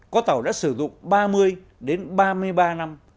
có tàu đã sử dụng ba mươi đến ba mươi ba năm